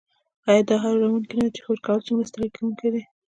ایا دا حیرانوونکې نده چې فکر کول څومره ستړي کونکی دي